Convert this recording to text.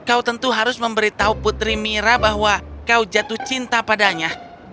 kau tentu harus memberitahu putri mira bahwa kau jatuh cinta padanya